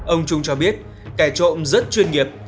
ông trung cho biết kẻ trộm rất chuyên nghiệp